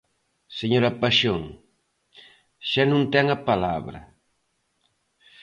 Señora Paxón, xa non ten a palabra.